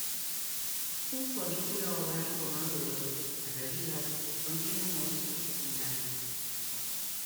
Un folículo ovárico maduro, en realidad contiene un ovocito secundario.